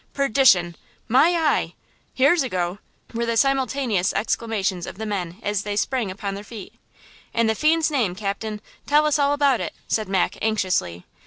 "Perdition!" "My eye!" "Here's a go!" were the simultaneous exclamations of the men as they sprang upon their feet. "In the fiend's name, captain, tell us all about it!" said Mac, anxiously.